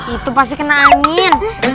itu pasti kena angin